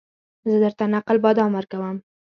زه درته نقل بادام درکوم